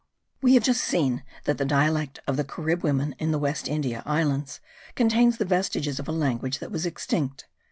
We have just seen that the dialect of the Carib women in the West India Islands contains the vestiges of a language that was extinct.